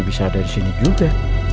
bisa ada disini juga